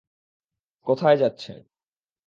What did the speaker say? কোথায় যাচ্ছেন?